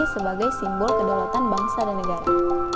sebagai simbol kedaulatan bangsa dan negara